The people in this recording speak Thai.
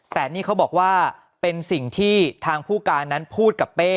แต่นี่เขาบอกว่าเป็นสิ่งที่ทางผู้การนั้นพูดกับเป้